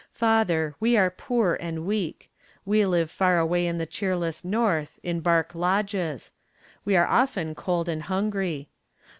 Father, we are poor and weak. We live far away in the cheerless north, in bark lodges. We are often cold and hungry.